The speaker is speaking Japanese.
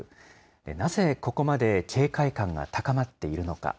なぜ、ここまで警戒感が高まっているのか。